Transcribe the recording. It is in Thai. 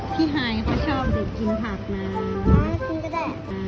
พี่ไฮเขาชอบเด็กกินผักนะ